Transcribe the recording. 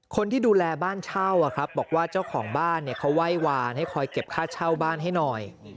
คนที่ดูแลบ้านเช่าบอกว่าเจ้าของบ้านเขาไหว้วานให้คอยเก็บค่าเช่าบ้านให้หน่อย